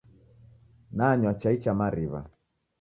Nanywa chai cha mariw'a.